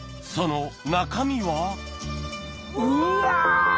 その中身は？うわ！